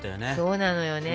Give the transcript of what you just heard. そうなのよね。